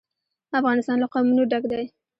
افغانستان له قومونه ډک دی.